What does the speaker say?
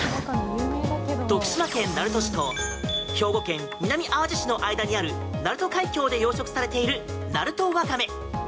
徳島県鳴門市と兵庫県南あわじ市の間にある鳴門海峡で養殖されている鳴門わかめ。